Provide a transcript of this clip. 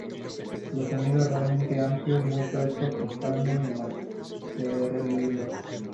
Los sonidos realmente amplios, muy frescos, pesados y metaleros.